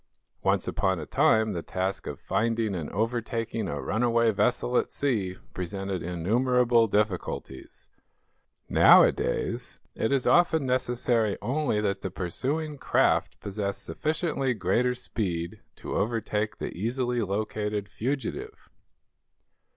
Once upon a time the task of finding and overtaking a runaway vessel at sea presented innumerable difficulties. Nowadays, it is often necessary only that the pursuing craft possess sufficiently greater speed to overtake the easily located fugitive.